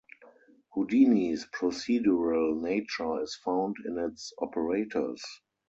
Houdini's procedural nature is found in its operators.